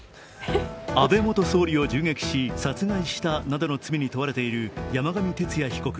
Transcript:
安倍元総理を銃撃し、殺害したなどの罪に問われている山上徹也被告。